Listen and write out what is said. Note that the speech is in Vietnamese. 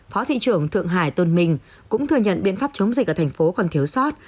phó thị trưởng thượng hải tôn mình cũng thừa nhận biện pháp chống dịch ở thành phố còn thiếu sót